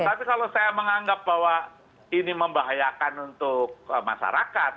tapi kalau saya menganggap bahwa ini membahayakan untuk masyarakat